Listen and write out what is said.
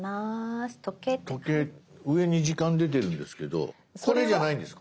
時計上に時間出てるんですけどこれじゃないんですか？